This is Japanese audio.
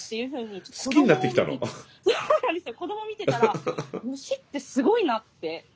子ども見てたら虫ってすごいなって。